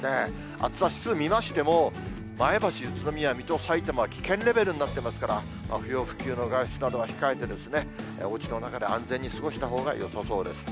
暑さ指数見ましても、前橋、宇都宮、水戸、さいたまは危険レベルになっていますから、不要不急の外出などは控えて、おうちの中で安全に過ごしたほうがよさそうです。